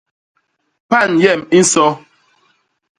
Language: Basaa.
Pan yem i nso.